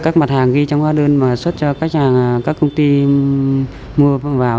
các mặt hàng ghi trong hoa đơn mà xuất cho các công ty mua vào